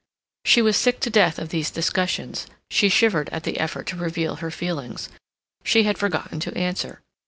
She was sick to death of these discussions; she shivered at the effort to reveal her feelings. She had forgotten to answer.